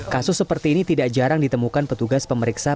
kasus seperti ini tidak jarang ditemukan petugas pemeriksa